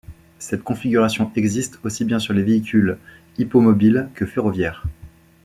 Cette configuration existe aussi bien sur les véhicules hippomobiles que ferroviaires.